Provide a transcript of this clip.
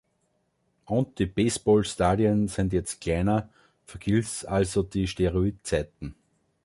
Und die Baseball-Stadien sind jetzt kleiner, vergiss also die Steroidzeiten.